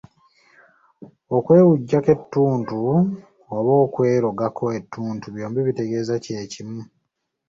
Okwewujjako ettuntu oba okwerogako ettuntu byombi bitegeeza kye kimu.